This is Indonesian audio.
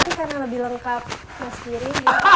tapi karena lebih lengkap mas giring